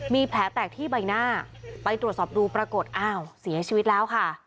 มีแผลแตกที่ใบหน้าไปตรวจสอบดูปรากฏอ้าวเสียชีวิตแล้วค่ะ